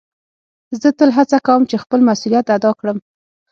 زه تل هڅه کؤم چي خپل مسؤلیت ادا کړم.